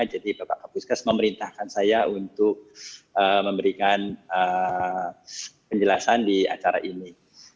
jadi bapak kapuskes memerintahkan saya untuk memberikan penjelasan di acara ini